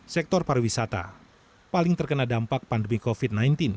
sektor pariwisata paling terkena dampak pandemi covid sembilan belas